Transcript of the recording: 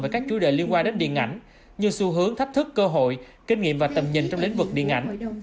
về các chủ đề liên quan đến điện ảnh như xu hướng thách thức cơ hội kinh nghiệm và tầm nhìn trong lĩnh vực điện ảnh